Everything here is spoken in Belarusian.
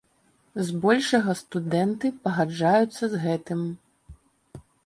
Збольшага студэнты пагаджаюцца з гэтым.